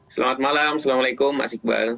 selamat malam assalamualaikum mas iqbal